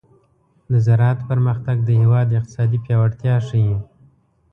د زراعت پرمختګ د هېواد اقتصادي پیاوړتیا ښيي.